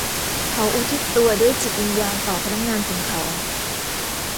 เขาอุทิศตัวด้วยจิตวิญญาณต่อพนักงานของเขา